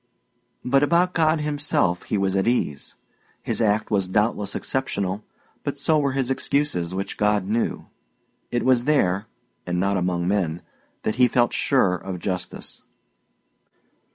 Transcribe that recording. But about God himself he was at ease; his act was doubtless exceptional, but so were his excuses, which God knew; it was there, and not among men, that he felt sure of justice.